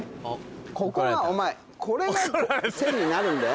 ここがお前これが線になるんだよ